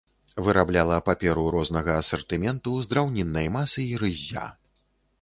Вырабляла паперу рознага асартыменту з драўніннай масы і рыззя.